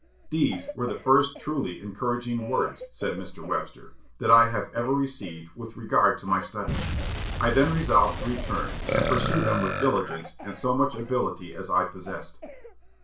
"These were the first truly encouraging words," said Mr. Webster, "that I ever received with regard to my studies. I then resolved to return, and pursue them with diligence and so much ability as I possessed."